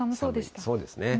そうですね。